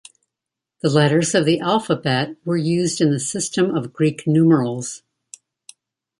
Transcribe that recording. The letters of the alphabet were used in the system of Greek numerals.